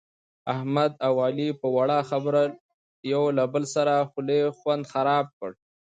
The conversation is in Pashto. احمد اوعلي په وړه خبره یو له بل سره د خولې خوند خراب کړ.